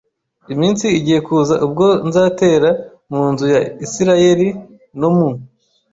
iminsi igiye kuza ubwo nzatera mu nzu ya Isirayeli no mu